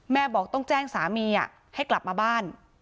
บอกต้องแจ้งสามีให้กลับมาบ้าน